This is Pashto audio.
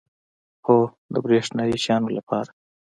هو، د بریښنایی شیانو لپاره